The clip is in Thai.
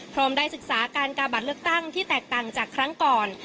พร้อมได้ศึกษาการกาบัตรเลือกตั้งที่แตกต่างจากครั้งก่อน